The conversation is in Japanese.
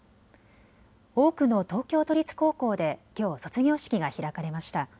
多くの東京都立高校できょう卒業式が開かれました。